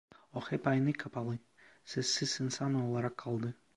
O hep aynı kapalı, sessiz insan olarak kaldı.